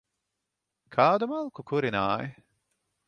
Kādu malku kurināji?